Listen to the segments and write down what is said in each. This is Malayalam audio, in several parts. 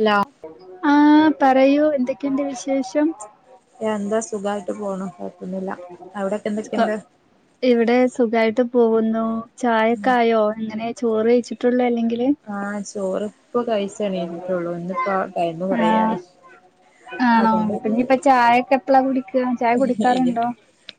ഹലോ ആഹ് പറയൂ എന്തൊക്കെണ്ട് വിശേഷം എന്താ സു സുഖായിട്ട് പോണു കൊഴപ്പൊന്നുല്ല അവിടൊക്കെ സുഖം എന്തൊക്കെയുണ്ട് ഇവിടെ സുഖായിട്ട് പോവുന്നു ചായക്കായോ എങ്ങനെ ചോറ് കഴിച്ചിട്ടുള്ള അല്ലെങ്കി ആഹ് ചോറിപ്പ കഴിച്ച എണീട്ടിട്ടള്ളൂ ഇന്നിപ്പോ ടൈമ്മ് കുറേയി ആഹ് ആണോ പിന്നയിപ്പ ചായൊക്കെ എപ്പളാകുടി ഇല്ല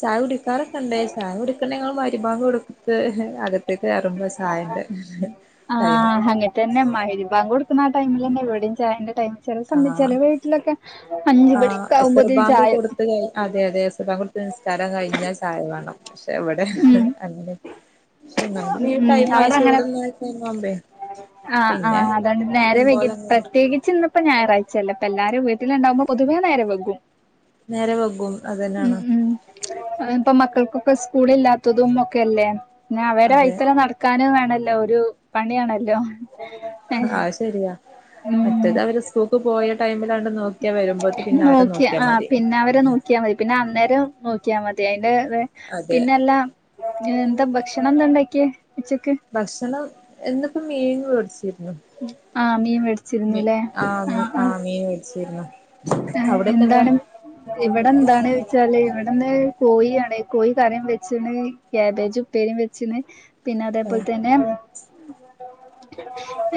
ചായ കുടിക്കാറൊക്കെണ്ടേ ചായ കുടിക്കണ്ടെ ഞങ്ങ വൈ [unintelligible] അകത് ടൈമ് ആഹ് ഹ തന്നെ മാഹിരി ബാംഗൂ ആ ടൈമിൽന്നെ വിടേം ചായേന്റെ ടൈമ് അഹ് അഹ് മണിയൊക്കെ ആവുമ്പോത്തേന് എസർബാങ്ക് ചായ കൊടുത്ത് കഴിഞ്ഞ അതെ അതെഎസർബാങ്ക് കൊടുത്ത് നിസ്ക്കാരം കഴിഞ്ഞാൽ ചായവേണം പക്ഷെ ഇവി ഉം അങ്ങനെ പക്ഷെ ഒന്നാമത് ഈ ഉം ടൈമായി അവിടങ്ങനെ ചോറുണ്ണാൻ ടൈമാവുമ്പേ ആ ആ പിന്നെ അതണ്ട് നേരെ ആക്കം വൈകി പോലെ അങ്ങനെ നിക്കും പ്രത്യേകിച്ച് ഇന്നപ്പോ ഞായറ ചിലപ്പോ എല്ലാരും വീട്ടിലുണ്ടാകുമ്പോ പൊതുവേ നേരെ വൈകും നേരെ വൈകും ഉം അതന്നെയാണ് ഉം ഇപ്പൊ മക്കൾക്കും ഇപ്പം സ്കൂള് ഇല്ലാത്തതും ഒക്കെ ല്ലേ.. പിന്ന അവരെ അതെ വൈത്തലെ നടക്കാനും വേ ണല്ലോ... ഒരു പണിയാണല്ലോ ആഹ് ശരിയാ. മറ്റത് അവര് സ്കൂക്ക് പോയ ടൈമിലാണ്ട് നോക്കിയാ വരുമ്പോത്ത് പിന്നെ അവരെ നോക്കിയാ ആ മതി പിന്നെ അവരെ നോക്കിയാ മതി. പിന്നെ അന്നേരം നോക്കിയാ മതി. ഏ വെ അതെ പിന്നെല്ലാം [unintelligible] ഭക്ഷണം എന്താ ണ്ടാക്കിയെ? ഭക്ഷണം ഇന്ന് പ്പം മീൻ വേട്ച്ചിര് ആ മീൻ വേടിച്ചിരുന്നു ലേ.. ആ ആ രുന്നു. ആ എന്താണ്? ഇവിടെ എന്താണ് വച്ചാല് ഇവിടെന്ന് കോയി ആണേ.. കോയി കറിം വെച്ച് ണ്. കാബേജ് ഉപ്പേരിം വെച്ച് ണ്. പിന്നെ അതേപോൽ ഏഹ് തന്നെ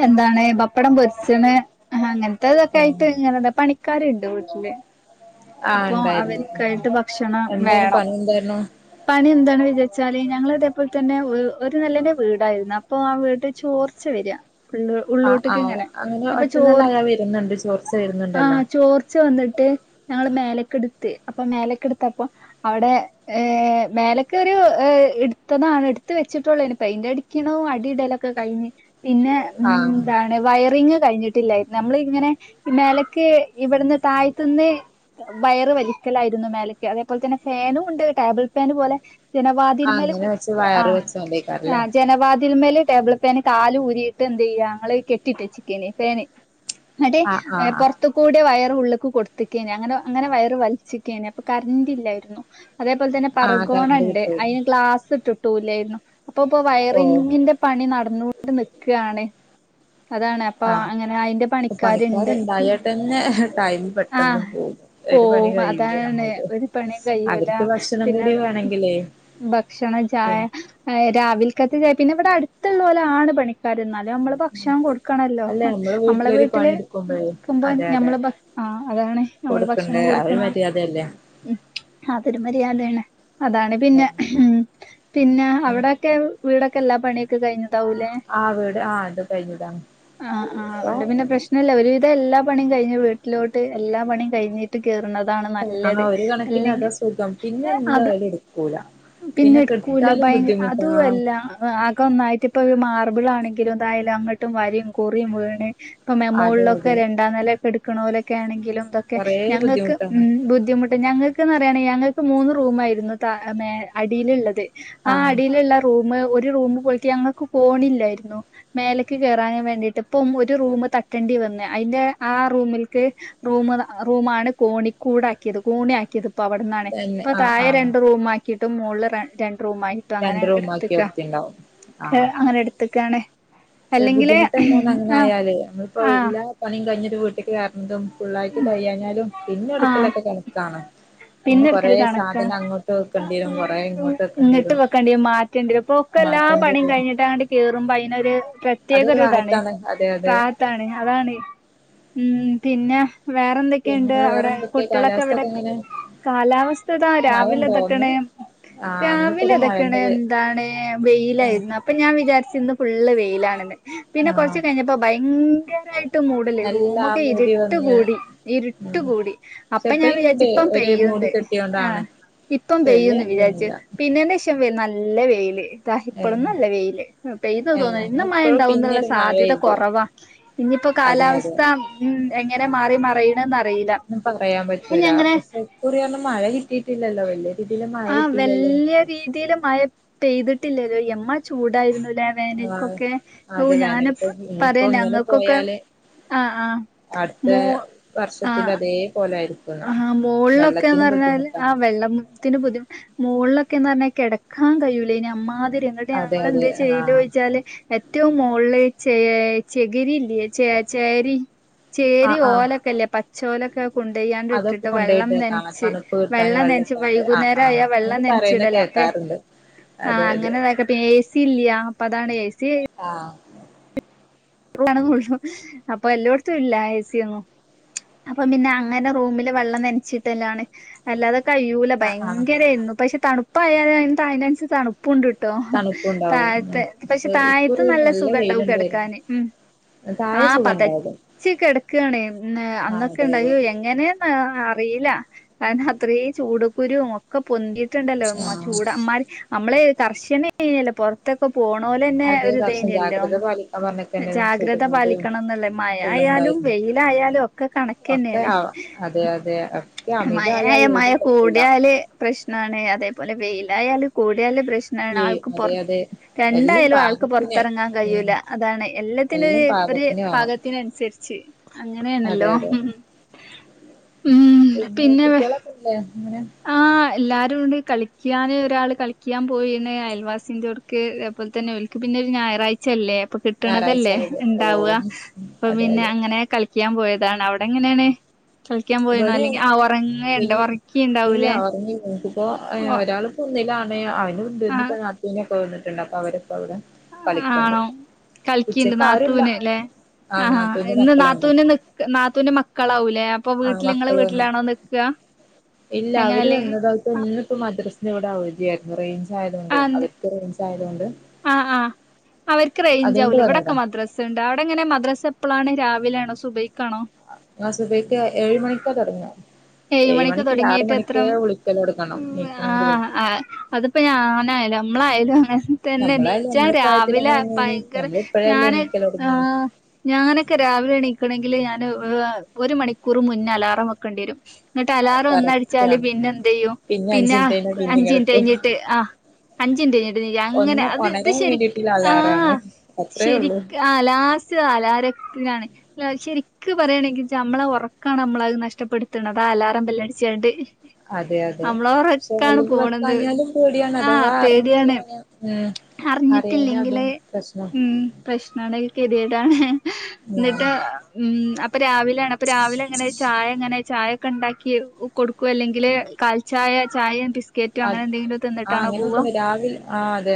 എന്താണ് ബപ്പടം പൊരിച്ച്ണ്. അങ്ങൻ ഏഹ് ത്തതൊക്കായ്ട്ട് ഇങ്ങനെന്ന്. പണി കറി ഇണ്ടോ വീട്ട്ല് ആഹ് അപ്പൊ ഉണ്ടായിരുന്നു ആഹ് അവർക്കായിട്ട് ഭക്ഷണം എന്താണ് വേണം പണി എന്തായിരുന്നു പണി എന്താണ് [unintelligible] ഒര് നെലന്റെ വീടായിരുന്നു അപ്പൊ ആ വീട്ടില് ചോർച്ച വെരാ ഉള്ള് ആഹ് ഉള്ളോട്ട്ക്ക് ആഹ് ഇങ്ങനെ അങ്ങനെ അപ്പ ചോർ ഒറ്റന്നലായ വരുന്നുണ്ട് ചോർച്ച ആ വരുന്നുണ്ടല്ലോ ചോർച്ച വന്ന്ട്ട് മേലേക്ക്‌ട്ത്ത് അപ്പം മേലേക്ക് ഇട്ത്തപ്പം അവിടെ ഏ മേലെക്ക് ഒരു ഇട്ത്തതാണ് ഇട് ത്ത് വെച്ചിട്ടുള്ളോനി പെയ്ന്റ് അടിക്കണോ അടി ഇടല് കഴിഞ്ഞ് പിന്നെ മ്മ് ആഹ് ന്താണ് വയറിങ് കഴിഞ്ഞിട്ടില്ലായ്രുന്നു നമ്മള് ഇങ്ങനെ മേലേക്ക് ഇവിട്ന്ന് തായത്ത്ന്ന് വയറ് വലിക്കലായിരുന്നു മേലേക്ക് അതേപോലെ തന്നെ ഫെനും ഉണ്ട് ടേബിൾ ഫെന് പോലെ ജനവാതിൽ മേൽ അങ്ങനെ വെച്ച് കുത്തേ ആ വയറ് വെച്ചോണ്ടേക്കാരല്ലേ ജനവാ ത്ൽമേല് ടേബിള് ഫേന് കാല് ഊരിട്ട് എന്ത്യ്യാ ഞങ്ങള് കെട്ടിട്ട് എച്ചക്കെയ്നി ഫേന് ഇങ്ങട്ട് ആഹ് ആഹ് പോർത്തു കൂടെ വയറ് ഉള്ള്ക്ക് കോട്ത്തെകെനി ഞ അങ്ങനെ അങ്ങനെ വയറ് വൽച്ചക്കെനി അപ്പ കര്ന്റ്‌ ഇല്ലായ്രുന്നു അതേപോലെ തന്നെ ആഹ് പർഗോന കറണ്ട് ഇണ്ട് കിട്ടും അയ്ന് ഗ്ലാസ്സ് ഇട്ട് [unintelligible] അപ്പൊ പ്പൊ ഓഹ് വയറിങ്ങിന്റെ പണി നടന്നോണ്ട് നിക്കാണ് അതാണ് അപ്പൊ ആ അങ്ങനെ അയിന്റെ പണിക്കാര്ണ്ട് പണിക്കാരുണ്ടായിട്ട് തന്നെ ടൈം പെട്ടെന്ന് പോകും ഓ ഒരു പണി കഴിയൂല അതാണ് ഞമ്മൾത് ഒരു പണിയും കഴിയൂല അവർക്ക് ഭക്ഷണം പിന്നെ കൂടി വേണെങ്കിലേ ഭക്ഷണം ചായ പിൻ രാവി - പിന്നെ ഇവിടെ അടുത്തുള്ളോലാണ് പണിക്കാർ എന്നാ നമ്മള് ഭക്ഷണം കൊടുക്കണല്ലോ അല്ല നമ്മള് നമ്മളെ വീട്ടിലൊരു പണി വീട്ടില് എടുക്കുമ്പോഴേ നിക്കുമ്പോ അതെ അതെ ഞമ്മള് ആ അതാണ് നമ്മൾ ഭക്ഷണം കൊടുക്കണ്ടേ അതൊരു കൊടുക്കണ മര്യാദയല്ലേ അതൊരു മരിയദാ ആണ് [unintelligible] അതാണ് പിന്നെ പിന്നെ അവിടൊക്കെ- വീടൊക്കെല്ലാ പണിയൊക്കെ കഴിഞ്ഞോ ണ്ടാവുലെ ആഹ് വീട് ആഹ് അത് കഴിഞ്ഞതാണ് ആ ആ അപ്പൊ അതോണ്ട് പിന്നെ പ്രശ്നല്ല ഒരു വിധം എല്ലാ- പണി കഴിഞ്ഞ വീട്ടിലോട്ട് എല്ലാ പണിയും- കഴിഞ്ഞിട്ട് കയറുന്നത്ത് ഇതാണ് നല്ലത് ആഹ് ഒരു കണക്കിന് അതാ അല്ലെങ്കി സുഖം പിന്നെ അത് എന്തായാലും എടുക്കൂല പിന്നെ ഇടുക്കൂല്ല കെടുത്താലും ഭയ ബുദ്ധിമുട്ടാ ആഹ് അതൊല്ല അകം ഒന്നായിട്ടു ഇപ്പൊ മാർബി- മാർബളാണെങ്കിലും എന്താണെങ്കിലും അങ്ങട്ടും വരിം കുറിം വീണ് ഇപ്പൊ അതെ മെമോളിലൊക്കെ അതെ രണ്ടാം നില ക്കെ എടുക്കണോല എന്ത്‌ ആണെങ്കിലും കൊറേ ഞങ്ങക്ക് ഉ ബുദ്ധിമുട്ടാണ് ബുദ്ധിമുട്ട്.... ഞങ്ങൾക്ക്ന്ന് പറയണെങ്കല് ഞങ്ങൾക്ക് മൂന്ന് റൂം ആയിരുന്നു അടിലുള്ളത് ആ ആഹ് അടിയിലുള്ള റൂ.. ഒരു റൂമ പോലട്ട ഞങ്ങൾക്ക് കോണില്ലായിരുന്നു മേലേക്ക് കേറാന് വേണ്ടിട്ട് ഇപ്പം ഒരു റൂമ് തട്ടേണ്ടി വന്നേ അതിന്റെ ആ റൂമിൽക്ക് റൂമു- ആ റൂമാണ് കോണിക്കൂടാക്കിയത് കോണിയാക്കിയത് ഇപ്പ അവിടന്നാണ് തന്നെ ഇപ്പൊ ആഹ് താഴെ ആഹ് രണ്ട് റൂ മു ആക്കി കിട്ടും മോളില് രണ്ട് രണ്ടു റൂമായിട്ടും അങ്ങനെ രണ്ട് റൂമാക്കി എടുത്ക്ക എടുത്തിണ്ടാവും ആഹ് അങ്ങനെ എടുത്.... ആണ് പക്ഷെ ബുദ്ധിമുട്ട്ന്താന്നന്ന് അങ്ങനെ ആയാലേ നമ്മളിപ്പോ ആഹ് എല്ലാ പണിയ കഴിഞ്ഞു വീട്ടിക്ക്കയറുന്നതും ഫുള്ളായിട്ട് കയിയാഞ്ഞാലും പിന്നെ ആഹ് അടുക്കലൊക്കെ കണക്കാണ് പിന്നെ കൊറ എടുക്കല് കണക്കാ സാധനം അങ്ങട്ട് ഇങ്ങിട്ട് വെക്കേണ്ടി വും മാറ്റേണ്ടി വരും അപ്പൊ ഒക്കെ എല്ലാ മാറ്റേണ്ടി പണിയും വരും കഴിഞ്ഞിട്ട് അങ്ങോട്ട് കേറുമ്പോ അയിനൊരു പ്ര... അതൊരു പ്രത്യേകഒരു ഇതാണ് റാഹത്താണ് അതെ അതെ പ്രാങ്ക് അതാണ് ഉ- ഉ പിന്നെ വേറെ പിന്നെ എന്തൊക്കെയുണ്ട് വേറെ അവിടെ എന്തൊക്കെ കുട്ടികളൊക്കെ കാലാവസ്ഥ ഇവിടെ ഒക്കെ എങ്ങനെ കാലാവസ്ഥ ഇതാ മഴ രാവിലെ ഉണ്ടോ പെട്ടന്ന് ഇന്ന് ആ ഇന്നിപ്പോ ഒരു രാവിലതൊകണ് മഴന്റെ ഒരു എന്താണ് വെയിലായിരുന്നു അപ്പൊ ഞാൻ വിചാരിച് ഇന്ന് ഫുള്ളു വെയി ആണെന്ന് പിന്നെ ആ കുറച്ച് കഴിഞ്ഞപ്പോ ഭയങ്ക- ഭങ്കരയായിട്ട് ഇരുട്ട് മൂടല് നല്ല ആ റൂമൊക്കെ മൂടി ഇരുട്ട് വന്ന് കൂടി ഇരുട്ട് ഉം കൂടി പക്ഷെ അപ്പ ഞാൻ ഇപ്പഴും വിചാരിച് ഉണ്ട് ഇപ്പ ഒരു മൂടി പെയ്ന്ന് ആ കെട്ടിയോണ്ടാണ് ഇപ്പൊ പക്ഷെ വല്യ പെയ്യന്ന് വിചാരിച്ച് ഇതൊന്നുമില്ല പിന്ന ശം- [unintelligible] നല്ല വെയില്- അതാ ഏ ഇപ്പളൊന്നല്ല വെയിയില് പെയത തോന്നല് ഏ ഇന്ന മഴ ഇപ്പോഴും ഉണ്ടാവന്നുള്ള പിന്നൊരു മഴ സാധ്യത പെയ്ത് കുറവാ ഇനിയിപ്പോ അതെ അതെ കാലാവസ്ഥ എങ്ങനെ മാറി മ് മറിഞ്ഞും - ഒന്നും പറയാൻ പറ്റൂല അങ്ങനെ പക്ഷെ ഇക്കുറി ഒന്നും മഴ കിട്ടിയിട്ടില്ല ല്ലോ വല്യ രീതിൽ മഴ ആഹ് കിട്ടില്ലല്ലോ വല്യ നമുക്ക് രീതിയില് മഴ പെയ്തിട്ടില്ലല്ലോ എമ്മ ചൂടായിരുന്നു ആ അത് വേനൽക്ക് പറയാ ഇനിയിപ്പോ ഇങ്ങനെ ഞങ്ങൾക്കൊക്കെ പോയാല് ആഹ് ആഹ് അടുത്ത മോ വർഷത്തി അതേ പോലൊയിരിക്കും ആഹ മോളിലൊക്കെന്ന് പറഞ്ഞാല് ആ വെള്ളത്തിന് ബുദ്ധി മോളിലൊക്കെ പറഞ്ഞ കിടക്കാൻ കയിയു ലേനി അ്മാ അതെ ഞങ്ങൾ അതെ എന്ത് ആഹ് ചെയ്യൽച്ചാല് ഏറ്റവും മോളിൽ ച ചകിരി ഇല്ലേ ചച്ചകരി ചേരി ആഹ് ആഹ് ഓലൊക്കെല്ലേ പ ചോലൊക്കെ കൊണ്ട് അതൊക്കെ ഇട്ടിട്ട് വെള്ളം കൊണ്ടോയിട്ടേക്കാണ് നനച്ച് തണുപ്പ് കിട്ടാന് വെള്ളം നനച്ച് വെള്ളട്ടാണ്ട് ആഹ് വൈകുന്നേര ആഹ് ആയാൽ വെള്ളം അങ്ങനെ നനച്ച പറയുന്ന ഇടല അപ്പേ കേക്കാറുണ്ട് ആഹ അതെ അതെ അങ്ങന എസി ഇല്ലഅപ്പ അതാണ് ഏ സി ആഹ് അപ്പൊ എല്ലായിടത്തും ഇല്ല എ സിയ ഒന്നും അപ്പൊ പിന്നെ അങ്ങനെ റൂമില് വെള്ളം നനച്ചിട്ടാണ് അല്ലാതെ കയ്യൂല ആഹ് ആഹ് ഭയങ്കരായിരുന്നു പക്ഷെ തണു അപ്പ അതിനന് അതിനനസരി കാണും പ്പുണ്ട്ട്ടോ തണുപ്പുണ്ടാവും ഉം താഴത്തെ പക്ഷെ താഴത്ത് ഇക്കുറി നല്ല സുഖം ഉണ്ടാവും കിടക്കാന് വെയിലുണ്ടായിരുന്നു താഴെ ആ സുഖണ്ടായിരുന്നു പതച്ചക്കെടക്കണേ ആഹ് അതെ അന്നൊക്കെണ്ട അതെ അയ്യോ എങ്ങനെയന്ന അറിയില്ല കാരണം അത്രയും ചൂട കുരു ഒക്കെ പൊന്തി ട്ടുണ്ടല്ലോ ഉ ആഹ് ചൂട അമാരി നമ്മളെ കർശനം എന്യല്ലോപുറത്തൊക്കെ പോണോലെന്നെ അത് ഒരു കുറച്ചും ഇതേനല്ലോ ജാഗ്രത പാലിക്കാൻ പറഞ്ഞിക്കന്നെ ജാഗ്രത ചുരണ്ടും പാലിക്കണംന്നല്ലേ മഴ ആയാലും ഫുള്ളുണ്ടായിരുന്നു വെയിലായാലും ഒക്കെ കണക്ക ഒക്കെ തന്നെയാണ് ആവാം അതെ അതെ ഒക്കെ അമിതായ മഴ മഴ ഏതും പറ്റൂല കൂടിയാല് പ്രശ്നമാണ് അതേപോലെ വെയില യിലായാൽ കൂ അല്ല പ്രശ്നമാണ് ഈ ആൾക്ക് പുറ അതെ അതെ എല്ലാം രണ്ടായാലും ആൾക്ക് പാകത്തിന് പുറത്തിറങ്ങാൻ ഉം കഴിയൂല അതാണ് എല്ലാത്തിന്റെ എല്ലാം ഒരു പാകത്തിന് വേണം പാകത്തിനനുസരിച്ച് അതെ അങ്ങനെയാണല്ലോ അതെ ഉം പിന്നെ കുട്ടികളൊക്കെല്ലേ അങ്ങനെ എല്ലാവരുംണ്ട് കളിക്കാന് ഒരാൾ കളിക്കാൻ പോയിണ് അയൽവാസിൻ്റെയർക്ക് അതേപോലെ തന്നെ ഒലക്ക് പിന്നെ ഒരു ഞായറാഴ്ചയല്ലേ അപ്പൊ ഞായറാഴ്ച കിട്ടണതല്ലേ അവധി ഓ ഉണ്ടാവുക അപ്പൊ അതെ പിന്നെ അതെ അങ്ങനെ കളിക്കാൻ പോയത് അതാണ് അവിടെ എങ്ങനെയാണ് കളിക്കാൻ പോയിന്നോ ഇവിടെ അല്ലെങ്കിൽ ആ ഉറങ്ങേണ്ട ഇൽ ഇല്ല ഉറങ്ങി നിനക്കിപ്പോ ഒരാള് ഒന്നിലാണ് അവൻ ആഹ് ണ്ട്ന്ന് ഇനീപ്പോ [inaudible] പ്പവന്നിട്ടുണ്ട് അവര് ആണോ കളിക്കിണ്ട് ഉച്ചക്ക് ആരുല്ല നാത്തൂന് അല്ലെ ആ ആഹാ നാത്തൂന്റെ ഇന്ന് മക്കളുണ്ട് നാത്തൂവിന്റെ നി നാത്തൂവിന്റെ മക്കളാവൂല്ലേ ആ മക്കൾ വന്നു ഇല്ല അവര് എങ്ങനെല്ലേ വന്നതായിട്ട ഇന്നിപ്പോ ഇന്നിവിടെ അവധിയായിരുന്നു [inaudible] ആ അവർക്ക് റേഞ്ച് ആയതുകൊണ്ട് ആ ആ അവർക്ക് റേഞ്ച് അതുകൊണ്ട് ആവുല വന്നതാ ഇവിടെൊക്കെ മദ്രാസുണ്ട് അവിടെങ്ങനെ മദ്രാസ ഇപ്പോളാണ് രാവിലാണോ സുബയ്ക്കാണോ സുബയ്ക്ക് ഏഴ് മണിക്കാ തുടങ്ങാ ഏഴുമണിക്ക് തുടങ്ങിട്ട് എത്ര വിളിക്കല് തൊടങ്ങണം ആ നീക്കണെങ്കില് അതിപ്പോ ഞാനായല്ല നമ്മളായ [inaudible] തന്നെ നമ്മളായാലും നീച്ചാൻ നമ്മളെ പ്രായത്തിൽ രാവിലെ അങ്ങനെന്നെയാണ് ഭയങ്കര നമ്മള് ഇപ്പഴല്ലേ ഞൻ എണീക്കല് ആ തൊടങ്ങിയെ ഞാനൊക്കെ രാവിലെ എണീക്കണെ ഞാൻ ഒരു മണിക്കൂർ മുന്നേ അലാറം വെക്കേണ്ടി വരും ഇങ്ങോട്ട് അത് അലാറം ഒന്ന കറക്റ്റ് അടിച്ചാല് ആണ് പിന്നെ എന്ത ചെയ്യും അഞ്ച് പിന്നെ മിനിറ്റ് കഴിഞ്ഞാ പിന്നേം അഞ്ചിനിറ്റ് കിടക്കും കഴിഞ്ഞിട്ട് ആ അഞ്ച മിനിറ്റ് കഴിഞ്ഞിട്ട് അങ്ങനെ ഒന്ന് അത് ഒണരാൻ വേണ്ടിയിട്ടുള്ള അലാറാണ് അത്രേ ഇത് ഉള്ളൂ ആ ലാസ്റ്റ് അലാറാണ് ശരിക്കും പറയുകണെങ്കച്ച നമ്മളെ ഉറക്കാണ് നമ്മള അത് നഷ്ടപ്പെടു [inaudible] ണതാ അലാറം ബെല്ലടിച്ചണ്ട് അതെ അതെ സെ അല്ല പോണത് വെക്കാഞ്ഞാലും പേടിയാണ് ആഹ് അതവാ അറിഞ്ഞില്ല പേടിയാണ് അറിയാന അതും അറിഞ്ഞിട്ടില്ലെങ്കില് പ്രശ്നം പ്രശ്ന കെതിയെടാണ് ഉം എന്നിട്ട് മ്മ് അപ്പൊ രാവിലെയാണ് അപ്പൊ രാവിലെ എങ്ങനെ ചായ എങ്ങനെ ചായ ഒക്കെ ഉണ്ടാക്കി കൊടുക്കു അല്ലെങ്കില് കാൽചായ ചായയും ബിസ് അ അങ്ങനെയക്കന്ന രാവിലെ ആ അതെ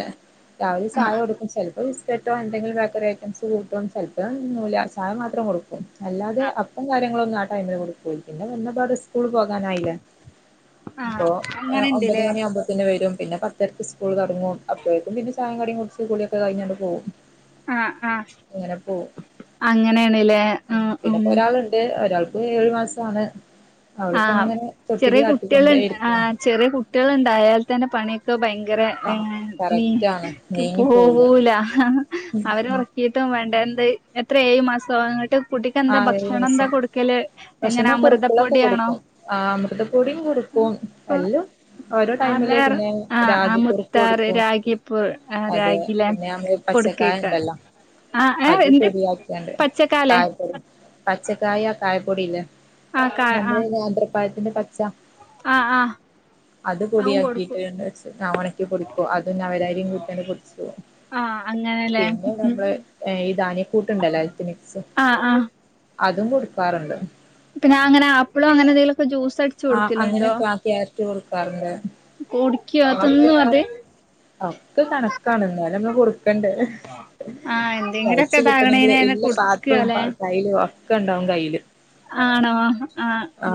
രാവിലെ ചായ ആഹ് കൊടുക്കും ചിലപ്പം ബിസ്ക്കറ്റോ എന്തെങ്കിലും ബേക്കറി ഐറ്റംസ് കൂട്ടും ചിലപ്പോ തിന്നൂല ചായ മാത്രം കൊടുക്കും അല്ലാതെ അപ്പ കാര്യ ങ്ങളൊന്നും ആ ആ ടൈമിൽ കുടിക്കൂല പിന്നെ വന്നപാട് സ്കൂൾ പോകാനായില്ല ആ അങ്ങനെ ഒമ്പത് ഇണ്ട്ല്ലേ മണിആവുമ്പോത്തിന് വെരും പിന്നെ പത്തരക് സ്കൂൾ തൊടങ്ങും അപ്പയെക്കും പിന്നെ ചായിം കടിം കുട് കുളിയൊക്കെ കഴിഞ്ഞണ്ട് പോവും ആഹ് ആഹ് ഇങ്ങനെ പോവും അങ്ങനെയാണ്ല്ലേ ആഹ് പിന്നെപ്പോ ഉം ഒരാളുണ്ട് ഒരാൾ ഏഴു മാസാണ് അവളിപ്പോ ആഹ് ഇങ്ങനെ തൊട്ടിലി ചെറിയ കുട്ട്യള് ആട്ടിക്കൊണ്ടേ ആ ഇരിക്കാ ചെറിയ കു കുട്ട്യാള് ണ്ടായാൽ തന്നെ പണിയൊക്കെ ഭയങ്ക ഭര പാവം കറക്റ്റ് ആണ് നീ--ക്ക് നീങ്ങി പോവൂല ഹ ഹ അവരേ ഒർ ഉം. ക്കിയിട്ടും വേ ണ്ടാ ന്തേ എത്ര ഏഴ് മാസൊ അങ്ങട്ട് കുട്ടിക്ക് ആ എന്താ ഏഴു ഭക്ഷണം എന്താ മാസം കൊടുക്കല് എങ്ങനെ ഭക്ഷണം അമൃതപ്പോ കുറുക്കുകളൊക്കെ കൊടുക്കും അമൃതപ്പൊടിയും കൊടുക്കും എല്ലും ഓരോ ടൈമില് അതാറ് പിന്നെ ആഹ് രാഗി ആഹ് കുറുക്കൊ മുത്താറ് ടുക്കും രാഗിപ്പൂ ആഹ് അതെ രാഗിലെ പിന്നെ നമ്മള് പച്ചക്കായ കൊടുക്കേക്കാരം ഉണ്ടല്ലോ ആഹ് ഏഹ് അത് എന്ത് പൊടയാക്യാ ണ്ട് ആ പച്ചക്കാലേ പച്ചക്കായാ കായ പൊടില്ലെ ആഹ് കാ ആഹ് നമ്മളന അന്റെ പ ആഹ് ആഹ് അത് അതും പൊടിയാക്കിട്ട് കൊടുക്കും വെ ഞാൻ ഉണക്കി പൊടിക്കും അതും ഞവര അരിം കൂട്യാണ്ട് പൊടിച്ചു പോ ആഹ് അങ്ങനെല്ലേ പിന്നെ ഉം നമ്മള് ഏ ഈ ധാന്യ കൂട്ടുണ്ടല്ലോ ഐലിട് മിക്സ് ആ ആഹ് ആഹ് അങ്ങനെ അപ്പളും അങ്ങനെ എന്തെിലും ആ അങ്ങനെയൊക്കെ ആ ക്യാാരറ്റ് കൊടുക്കാറുണ്ട് കുടിക്കോ ആ തിന്നോ അത് അ ഒക്കെ കണക്കാണ് എന്നാല നമ്മള് കൊടു ണ്ട് ആഹ് എന്തെങ്കിലുമൊക്കെ കഴച്ച് കിട്ടണമെങ്കില് ഇതാകണേന് എല്ല പാത്രവും കൊടുക്കല്ലേ കൈലു ഒ ഒക്ക ണ്ടാവും കയ്യില് ആണോ ആഹ ആ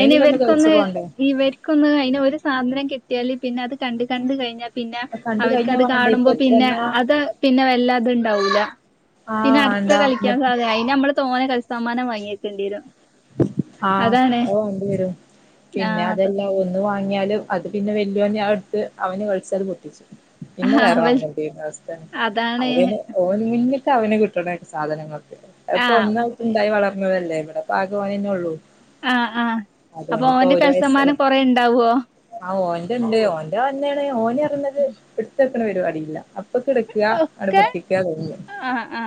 ഐൻ ഒന്ന് കഴിച്ചു ഇവർക്കൊന്ന് പോണ്ടേ ഇവർക്കൊന്ന് അതിനന് ഒരു സാധനം കിട്ട ട്ട്യാൽ പിന്നെ അത് കണ്ട് കണ്ട കഴിഞ്ഞാൽ പിന്നെ കണ്ട് കഴിഞ്ഞാ അവർക്ക്ത് വേണ്ട ഇപ്പ കാണുമ്പോ പിന്നെ എത്രണ്ണാ അത് പിന്നെ വല്ല അത്ണ്ടാവൂല ആ പിന്നെ അടുത്ത വേണ്ട കളിക്കാൻ എന്നിട്ട് സാധ ഐ നമ്മള് തോന്നെ കൾ സമമാനം വാങ്ങയി് ക്കണ്ടിര- ആഹ അ വേണ്ടി വരും പിന്നെ ആഹ് അതെല്ലാം ഒന്ന് വാങ്ങി ങ്ങിയാലും അത് പിന്നെ വെല്യ ൻ അഹ് ടുത്ത് അവന് കളിച്ചത് പൊട്ടിച്ചു പിന്നെ ആഹ് വേറെ വൽ വാങ്ങേണ്ടിരു ന്ന അവസ്ഥ അതാണ് അവന് ഓന് ന് അവന് കിട്ടണേ സാധനങ്ങള് അപ്പൊ ഒന്ന ആഹ് അവ്പ്പോ ണ്ടായി വളർന്നതല്ലേവ ഭാഗവോനെനെ ഉള്ളൂ ആഹ് ആഹ് അപ്പൊ അതുകൊണ്ടിപ്പോ ഓന്റെ ഒരു വയസ്സ കൽസമ്മാനം ആയി കൊറേ ഇണ്ടാവോ ആ ഓന്റെ ണ്ട് ഓന്റെ തന്നെയാണ് ഓന് റഞ്ഞത് ഇട്ത്തെ വ അടിയ ഇപ്പ കിടക്കുക അട ഒക്കെ പൊട്ടിക്കുക ത ആഹ് ആ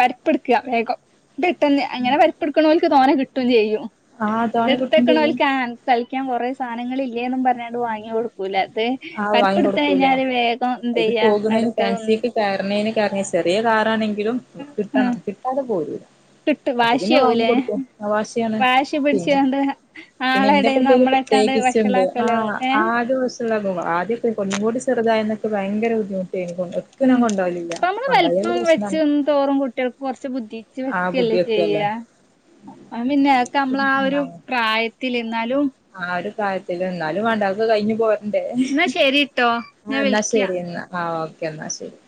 പരിപ്പെടുക്കുക വേഗം പെട്ടെന്ന് അങ്ങനെ പരിപ്പ് എടുക്കണമെന്ന് തോന്നെ കിട്ടയും ചെയ്യും ആഹ് തോനെ കിട്ടും ഇതെടുത്തക്കണല ചെയ്യും കളിക്കാൻ കൊറെേ സാധനങ്ങളല്ല ഇല്ലൊന്നും പറഞ്ഞട്ടണ്ട് വാങ്ങി കൊടുക്കൂല്ല അ ആഹ് വാങ്ങി പരപ്പെടുത്ത കൊടുക്കൂല കഴിഞ്ഞാല് വേഗം എന്ത് ഇത് ചെയെയ്യാ പോകുന്നതിന് അടുത്ത ഫാൻസിക്ക് കയറുന്നതിന് ചെറിയ കാർ ആണെങ്കി കിട്ടണം കിട്ടാതെ പോരൂല കിട്ടു അപ്പൊ പിന്നെ വാങ്ങി വാശിയാവലേ കൊടുക്കും ആ വാശിയാണ് വാശി പിന്നെ പിടിച്ചതൊണ്ട് പിന്നെ ആളെടന്ന് എന്റെപ്പന്റെ ഒരു നമ്മളെക്കാണ്ട് പ്രത്യേകിച്ചുണ്ട് ആ വഷളാക്കല ഏ ആദ്യ വശമുള്ള ആദ്യമൊക്കെ ഒന്നും കൂടി ചെറുതായി എന്നൊക്കെ ഭയങ്കര ബുദ്ധിമുട്ടായിനി ഒട്ടും ഉ ഞാൻ കൊണ്ടോവലില്ല ഇപ്പ നമ്മള് കൊണ്ടോയാല് വലിപ്പം വെച്ച് പ്രശ്നാണ് ഒും തോറും കുട്ടികൾക്ക് കുറച്ച് ബുദ്ധിച്ച് ആ ബുദ്ധി വെക്കല്ലേ ചെയ്യ അ പിന്നെക്കെ നമ്മള ആ ഒരു പ്രായത്തി ത്തിൽ എന്നാലും ആ ഒരു കാര് എന്നാലും വേണ്ടക്കെ കഴിഞ്ഞു പോറണ്ടേ എന്നാ ശരിട്ടോ ആഹ ഞാൻ എന്നാ വിളിക്ക ശരി എന്നാ ആ എന്നാ ശരി